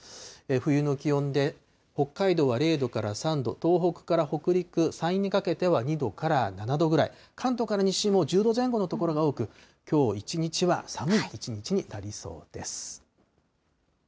冬の気温で、北海道は０度から３度、東北から北陸、山陰にかけては２度から７度ぐらい、関東から西も１０度前後の所が多く、きょう一日は寒い一日になりそうです。